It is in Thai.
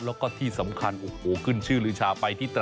แล้วก็ที่สำคัญขึ้นชื่อหรือชาไฟที่ตรัง